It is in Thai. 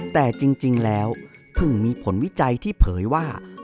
แต่จริงแล้วเพิ่งมีผลวิจัยที่เผยว่า